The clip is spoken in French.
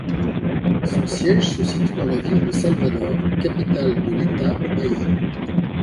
Son siège se situe dans la ville de Salvador, capitale de l'État de Bahia.